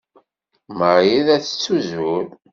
Marie la tettuzur.